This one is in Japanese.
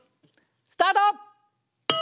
スタート！